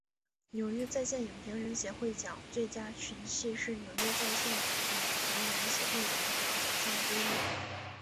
纽约在线影评人协会奖最佳群戏是纽约在线影评人协会奖的主要奖项之一。